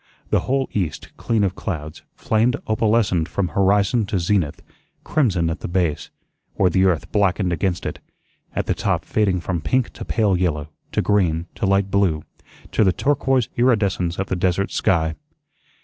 The whole east, clean of clouds, flamed opalescent from horizon to zenith, crimson at the base, where the earth blackened against it; at the top fading from pink to pale yellow, to green, to light blue, to the turquoise iridescence of the desert sky.